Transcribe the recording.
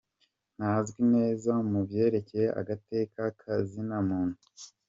Ntazwi neza mu vyerekeye agateka ka zina muntu.